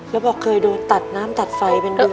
แล้วบอกเคยโดนตัดน้ำตัดไฟเป็นเดือน